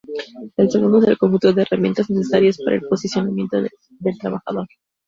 El segundo es el conjunto de herramientas necesarias para el posicionamiento del trabajador.